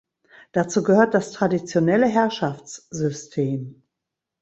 Dazu gehört das Traditionelle Herrschaftssystem.